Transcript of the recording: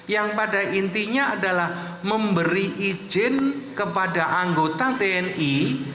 yang pada intinya adalah memberi izin kepada anggota tni